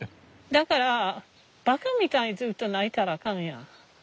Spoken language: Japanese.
だからばかみたいにずっと泣いたらあかんやん。